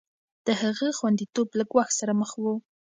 د هغه خونديتوب له ګواښ سره مخ و.